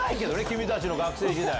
君たちの学生時代。